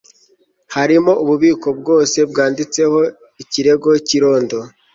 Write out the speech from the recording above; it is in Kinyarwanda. harimo ububiko bwose bwanditseho 'ikirego cy'irondo